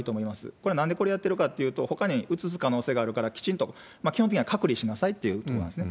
これ、なんでこれやってるかっていうと、ほかにうつす可能性があるから、きちんと、基本的には隔離しなさいってことなんですね。